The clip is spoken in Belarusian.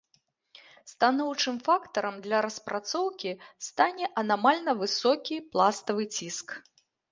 Станоўчым фактарам для распрацоўкі стане анамальна высокі пластавы ціск.